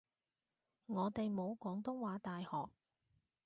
我哋冇廣東話大學